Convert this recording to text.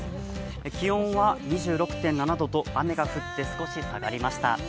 気温は２６．７度と雨が降って少し下がりました。